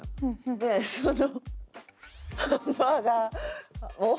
でその。